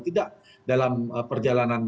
tidak dalam perjalanan